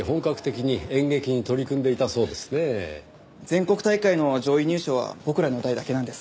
全国大会の上位入賞は僕らの代だけなんです。